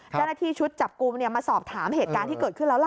เจ้าหน้าที่ชุดจับกลุ่มมาสอบถามเหตุการณ์ที่เกิดขึ้นแล้วล่ะ